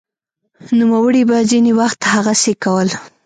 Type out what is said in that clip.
نوموړي به ځیني وخت هغسې کول